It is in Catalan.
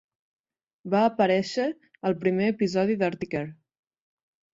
Va aparèixer al primer episodi d'"Arctic Air".